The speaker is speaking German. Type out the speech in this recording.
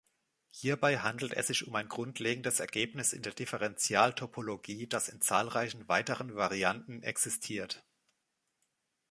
Hierbei handelt es sich um ein grundlegendes Ergebnis in der Differentialtopologie, das in zahlreichen weiteren Varianten existiert.